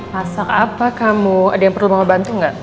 masak apa kamu ada yang perlu mau bantu gak